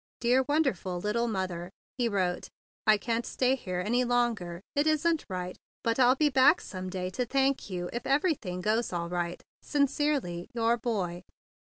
"Dear, wonderful little mother," he wrote, "I can't stay here any longer. It isn't right. But I'll be back some day to thank you if everything goes all right. Sincerely, Your Boy."